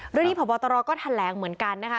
เรื่องของนี่จุดพอตรอก็ทันแรงเหมือนกันนะคะ